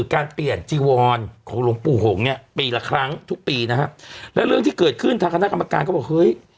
การเปลี่ยนจีวรของหลวงปู่หงษ์เนี่ยปีละครั้งทุกปีนะฮะแล้วเรื่องที่เกิดขึ้นทางคณะกรรมการก็บอกเฮ้ย